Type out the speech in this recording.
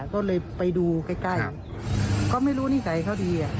ก็เลยไปดูใกล้ก็ไม่รู้นิสัยเขาดี